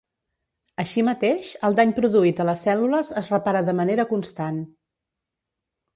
Així mateix, el dany produït a les cèl·lules es repara de manera constant.